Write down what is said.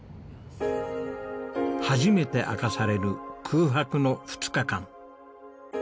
初めて明かされる空白の２日間。